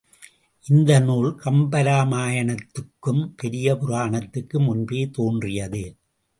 இந்த நூல் கம்பராமாயணத்துக்கும், பெரிய புராணத்துக்கும் முன்பு தோன்றியது.